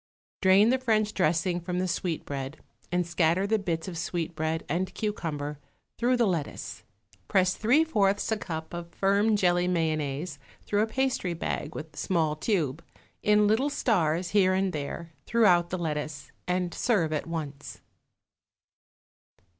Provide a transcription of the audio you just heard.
Drain the French dressing from the sweetbread and scatter the bits of sweetbread and cucumber through the lettuce. Press three fourths a cup of firm jelly mayonnaise through a pastry bag with small tube, in little stars, here and there, throughout the lettuce, and serve at once.